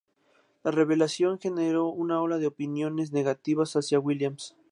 La revelación generó una ola de opiniones negativas hacia Williams.